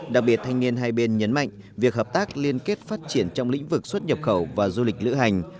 đặc biệt thanh niên hai bên nhấn mạnh việc hợp tác liên kết phát triển trong lĩnh vực xuất nhập khẩu và du lịch lữ hành